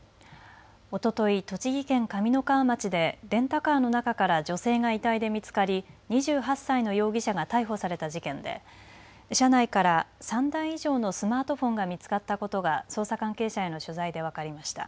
おととい栃木県上三川町でレンタカーの中から女性が遺体で見つかり２８歳の容疑者が逮捕された事件で車内から３台以上のスマートフォンが見つかったことが捜査関係者への取材で分かりました。